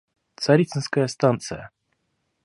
Царицынская станция.